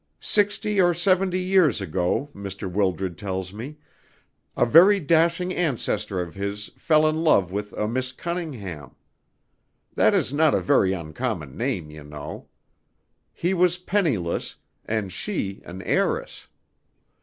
"Sixty or seventy years ago, Mr. Wildred tells me, a very dashing ancestor of his fell in love with a Miss Cunningham. That is not a very uncommon name, you know. He was penniless, and she an heiress.